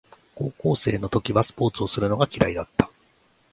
高校生の時はスポーツをするのが嫌いだった